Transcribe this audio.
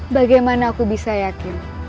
bagaimana aku bisa yakin